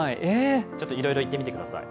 ちょっといろいろ言ってみてください。